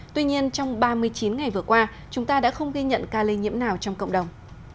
tuy nhiên trong ba mươi chín ngày vừa qua chúng ta đã không ghi nhận ca lây nhiễm nào trong cộng đồng